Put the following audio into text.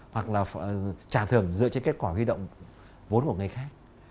hoặc là trả thưởng dựa trên kết quả huy động vốn của người khác